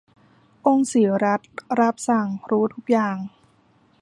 องค์ศรีรัศมิ์ รับสั่ง รู้ทุกอย่าง